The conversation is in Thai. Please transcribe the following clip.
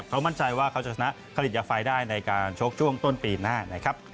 เขามั่นใจว่าเขาจะชนะผลิตยาไฟได้ในการชกช่วงต้นปีหน้านะครับ